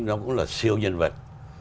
nó cũng là siêu nhân vật